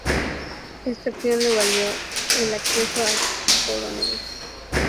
Esta acción le valió el ascenso a coronel.